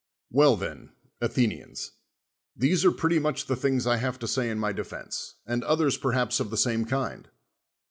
A¥ell then, xVthenians; these are pretty niaeh the things I have to say in my defense, and oth ers perhaps of the same kind.